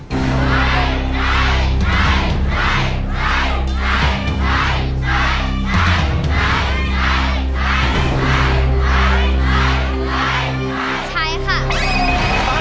ใช้ใช้ใช้ใช้